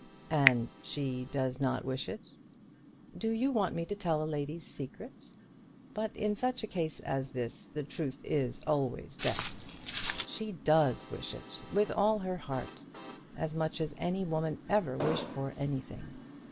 "And she does not wish it?" "Do you want me to tell a lady's secret? But in such a case as this the truth is always the best. She does wish it, with all her heart, as much as any woman ever wished for anything.